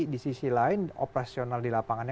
di sisi lain operasional di lapangannya